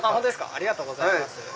ありがとうございます。